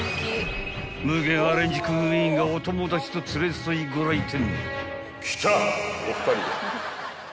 ［無限アレンジクイーンがお友達と連れ添いご来店］